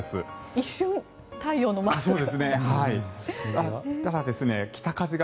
一瞬、太陽のマークが。